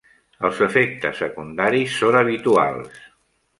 Els efectes secundaris són habituals.